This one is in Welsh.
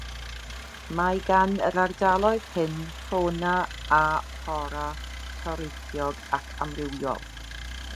Mae gan yr ardaloedd hyn ffawna a fflora toreithiog ac amrywiol.